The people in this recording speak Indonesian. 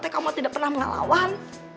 kamu tidak pernah mengalauan